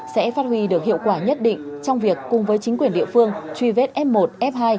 sẽ phát huy được hiệu quả nhất định trong việc cùng với chính quyền địa phương truy vết f một f hai